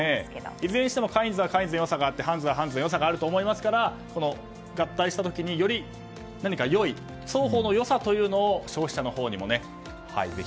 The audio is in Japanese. いずれにしてもカインズはカインズの良さがあってハンズはハンズの良さがあると思いますから合体した時により何か良い双方の良さというのを消費者のほうにもぜひ。